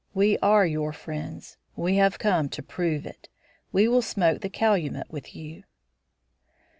We are your friends. We have come to prove it. We will smoke the calumet with you."